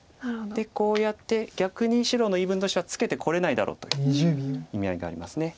でこうやって逆に白の言い分としては「ツケてこれないだろう」という意味合いがあります。